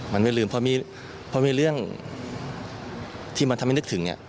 มันไม่ลืมเพราะมีเรื่องที่มันทำให้นึกถึงเนี่ย